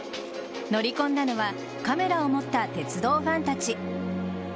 乗り込んだのはカメラを持った鉄道ファンたち。